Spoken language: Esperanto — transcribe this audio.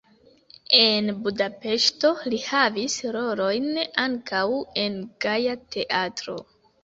En Budapeŝto li havis rolojn ankaŭ en "Gaja Teatro".